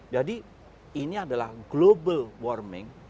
jadi ini adalah global warming